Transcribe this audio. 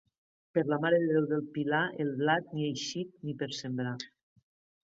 Per la Mare de Déu del Pilar, el blat, ni eixit ni per sembrar.